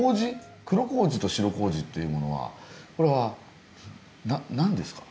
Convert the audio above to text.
黒麹と白麹っていうものはこれは何ですか？